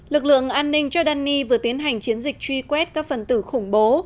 lực lượng an ninh jordani vừa tiến hành chiến dịch truy quét các phần tử khủng bố